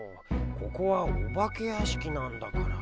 ここはお化け屋敷なんだから。